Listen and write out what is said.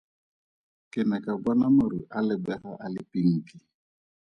Ke ne ka bona maru a lebega a le pinki.